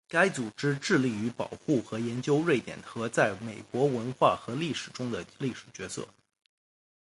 该组织致力于保护和研究瑞典和在美国文化和历史中的历史角色。